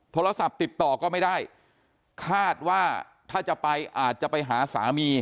โทรศัพท์ติดต่อก็ไม่ได้คาดว่าถ้าจะไปอาจจะไปหาสามี